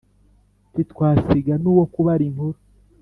ntitwasiga n’uwo kubara inkuru.